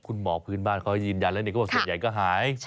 คุณหมอพื้นบ้านเขาให้ยืนยันแล้วนี่เขาบอกส่วนใหญ่ก็หาย